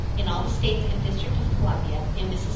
In all the States and District of Columbia; in Miss.